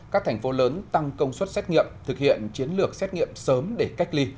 các thành phố lớn tăng công suất xét nghiệm thực hiện chiến lược xét nghiệm sớm để cách ly